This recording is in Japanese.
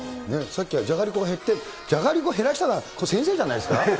さっきはじゃがりこが減って、じゃがりこ減らしたのはこれ先生じゃないんですか？